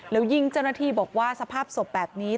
แล้วยิ่งเจ้าหน้าที่บอกว่าสภาพศพแบบนี้